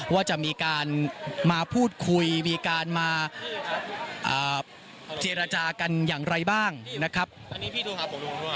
ว่าจะมีการมาพูดคุยมีการมาเจรจากันอย่างไรบ้างนะครับ